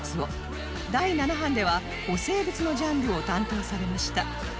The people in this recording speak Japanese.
第七版では古生物のジャンルを担当されました